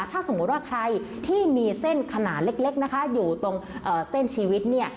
ถ้าสมมุติว่าใครที่มีเส้นขนาดเล็กนะคะอยู่ตรงเส้นชีวิตเนี่ย